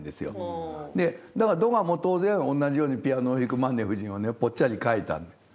だからドガも当然同じように「ピアノを弾くマネ夫人」をぽっちゃり描いた。